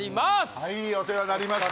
はいお世話になりました